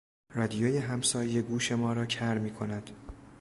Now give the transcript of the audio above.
رادیوی همسایه گوش ما را کر میکند.